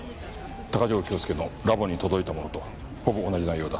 鷹城京介のラボに届いたものとほぼ同じ内容だ。